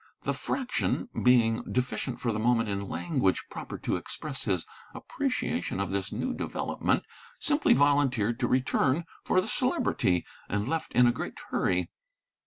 The Fraction, being deficient for the moment in language proper to express his appreciation of this new development, simply volunteered to return for the Celebrity, and left in a great hurry.